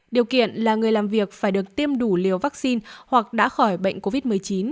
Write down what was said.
điều kiện là người làm việc phải được tiêm đủ liều vaccine hoặc đã khỏi bệnh covid một mươi chín